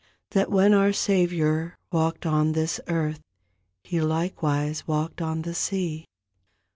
That when our Savior walked on this earth. He likewise walked on the sea.'